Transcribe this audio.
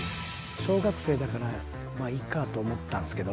小学生だからまあいっかと思ったんすけど。